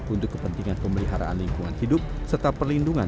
untuk kepentingan pemeliharaan lingkungan hidup serta perlindungan